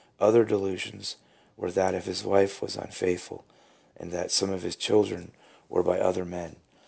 Other delusions were that his wife was un faithful, and that some of his children were by other men.